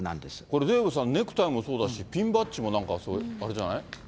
これ、デーブさん、ネクタイもそうだし、ピンバッジもあれじゃない？